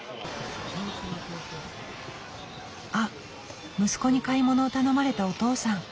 あっ息子に買い物を頼まれたお父さん。